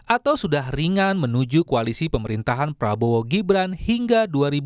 atau sudah ringan menuju koalisi pemerintahan prabowo gibran hingga dua ribu dua puluh